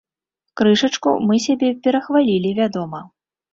Крышачку мы сябе перахвалілі, вядома.